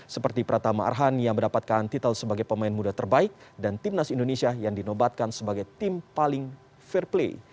seperti pratama arhan yang mendapatkan title sebagai pemain muda terbaik dan timnas indonesia yang dinobatkan sebagai tim paling fair play